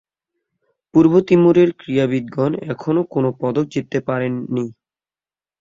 পূর্ব তিমুরের ক্রীড়াবিদগণ এখনো কোন পদক জিততে পারেনি।